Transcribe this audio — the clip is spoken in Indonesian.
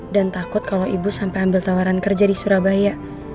dan takut kalo ibu sampe ambil tawaran kerja di surabaya